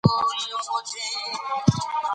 که موږ له انټرنیټ سره بلد نه سو نو وروسته پاتې کیږو.